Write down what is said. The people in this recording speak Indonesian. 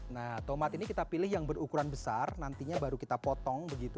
nah tomat ini kita pilih yang berukuran besar nantinya baru kita potong begitu